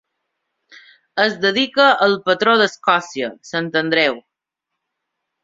Es dedica al patró d'Escòcia, Sant Andreu.